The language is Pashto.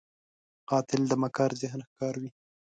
قاتل د مکار ذهن ښکار وي